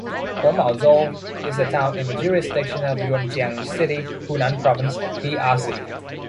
Huangmaozhou is a town in the jurisdiction of Yuanjiang City, Hunan Province, P.R.C.